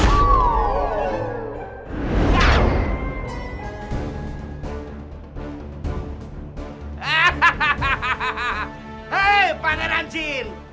hei panggilan jin